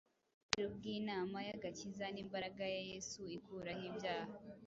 ubwiru bw’inama y’agakiza n’imbaraga ya Yesu ikuraho ibyaha;